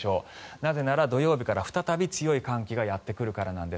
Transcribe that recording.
なぜなら土曜日から再び強い寒気がやってくるからなんです。